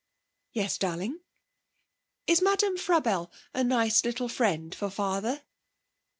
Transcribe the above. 'Yes, darling.' 'Is Madame Frabelle a nice little friend for father?'